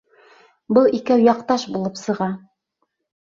Был икәү яҡташ булып сыға.